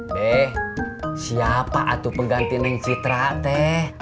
be siapa itu pengganti citwa teh